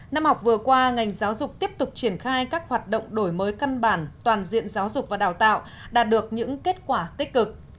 năm học vừa qua ngành giáo dục tiếp tục triển khai các hoạt động đổi mới căn bản toàn diện giáo dục và đào tạo đạt được những kết quả tích cực